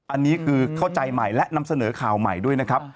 อันนี้คือเข้าใจใหม่และนำเสนอข่าวใหม่ด้วยนะครับ